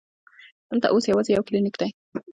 دلته اوس یوازې یو کلینک دی.